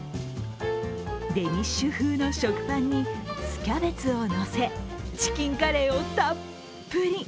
デニッシュ風の食パンに酢キャベツをのせチキンカレーをたっぷり。